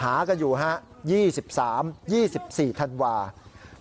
หากันอยู่๒๓๒๔ธันวาธิ์